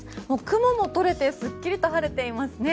雲も取れてすっきりと晴れていますね。